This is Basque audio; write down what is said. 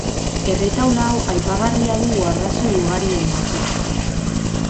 Erretaula hau aipagarria dugu arrazoi ugarirengatik.